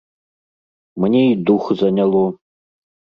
Мне і дух заняло.